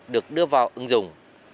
được đưa vào ứng dụng